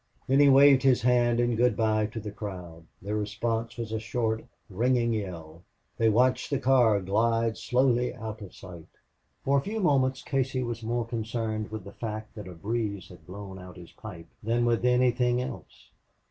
Then he waved his hand in good by to the crowd. Their response was a short, ringing yell. They watched the car glide slowly out of sight. For a few moments Casey was more concerned with the fact that a breeze had blown out his pipe than with anything else.